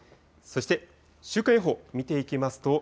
そして週間予報見ていきますと。